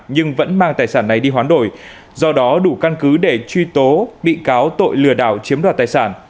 nhưng vẫn mang tài sản này đi hoán đổi do đó đủ căn cứ để truy tố bị cáo tội lừa đảo chiếm đoạt tài sản